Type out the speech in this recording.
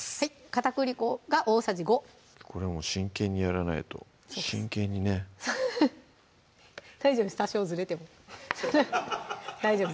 片栗粉が大さじ５これもう真剣にやらないと真剣にね大丈夫です多少ずれても大丈夫